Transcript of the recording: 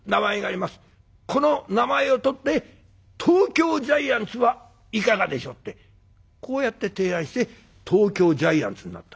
この名前をとって東京ジャイアンツはいかがでしょう」ってこうやって提案して東京ジャイアンツになった。